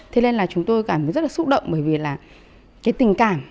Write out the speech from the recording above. thế nên là chúng tôi cảm thấy rất là xúc động bởi vì là cái tình cảm